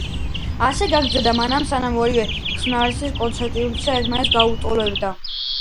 ასე გრძელდება მანამ, სანამ ორივე ხსნარის კონცენტრაცია ერთმანეთს გაუტოლდება.